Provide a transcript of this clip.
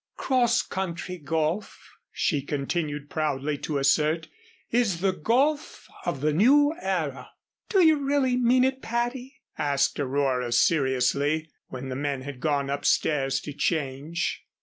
"Cross country golf," she continued proudly to assert, "is the golf of the New Era." "Do you really mean it, Patty?" asked Aurora seriously, when the men had gone upstairs to change.